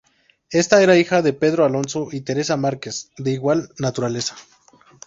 Esta era hija de Pedro Alonso y Teresa Márquez de igual naturaleza.